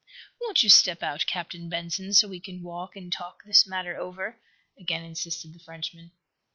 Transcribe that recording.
"Won't you step out, Captain Benson, so we an walk and talk this matter over?" again insisted the Frenchman.